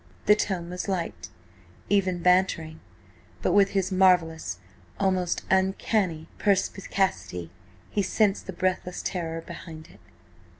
The tone was light, even bantering, but with his marvellous, almost uncanny perspicacity, he sensed the breathless terror behind it.